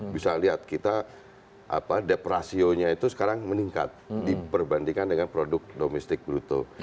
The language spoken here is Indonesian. bisa lihat kita depresionya itu sekarang meningkat diperbandingkan dengan produk domestik bruto